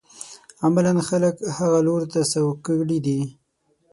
عملاً خلک هغه لوري ته سوق کړي دي.